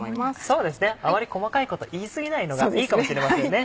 そうですねあまり細かいこと言い過ぎないのがいいかもしれませんね。